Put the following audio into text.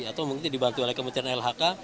atau mungkin dibantu oleh kementerian lhk